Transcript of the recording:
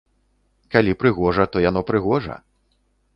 Калі прыгожа, то яно прыгожа!